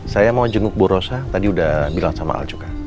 saya mau jenguk bu rosa tadi udah bilang sama al cuka